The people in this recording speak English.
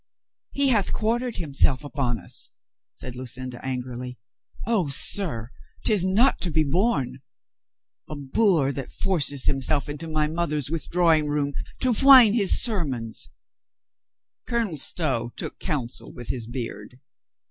"He hath quartered himself upon us," said Lu cinda angrily. "Oh, sir, 'tis not to be borne. A boor that forces himself into my mother's withdraw ing room to whine his sermons." Colonel Stow took counsel with his beard.